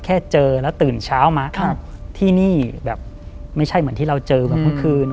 เจอแล้วตื่นเช้ามาที่นี่แบบไม่ใช่เหมือนที่เราเจอแบบเมื่อคืน